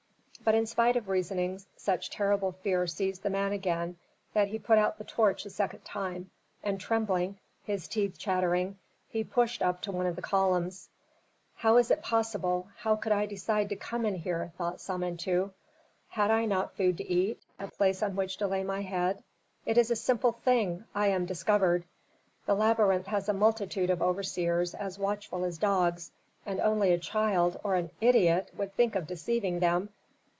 But in spite of reasoning, such terrible fear seized the man again that he put out the torch a second time, and trembling, his teeth chattering, he pushed up to one of the columns. "How was it possible how could I decide to come in here?" thought Samentu. "Had I not food to eat, a place on which to lay my head? It is a simple thing, I am discovered! The labyrinth has a multitude of overseers as watchful as dogs, and only a child, or an idiot, would think of deceiving them.